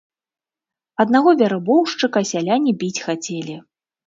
Аднаго вярбоўшчыка сяляне біць хацелі.